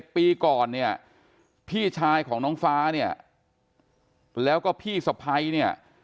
ปีก่อนเนี่ยพี่ชายของน้องฟ้าเนี่ยแล้วก็พี่สะพ้ายเนี่ย